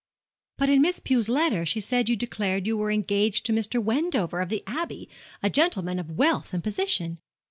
'But in Miss Pew's letter she said you declared you were engaged to Mr. Wendover of the Abbey, a gentleman of wealth and position.